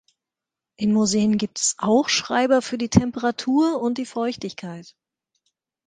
In Museen gibt es auch Schreiber für die Temperatur und die Feuchtigkeit.